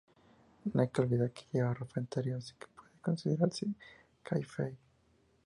No hay que olvidar que llevaba ropa interior así que puede considerarse kayfabe.